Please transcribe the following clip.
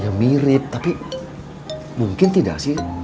ya mirip tapi mungkin tidak sih